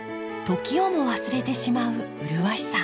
時をも忘れてしまう麗しさ。